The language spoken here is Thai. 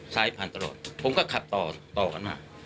ซ้ายผ่านตลอดผมก็ขับต่อกันมา